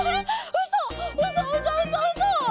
うそうそうそうそ！？